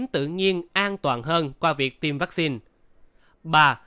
tự nhiên an toàn hơn qua việc tiêm vaccine